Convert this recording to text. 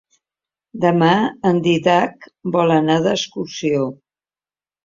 Demà en Dídac vol anar d'excursió.